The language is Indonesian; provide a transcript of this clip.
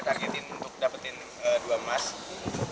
targetin untuk dapetin dua emas kalau bisa lebih ya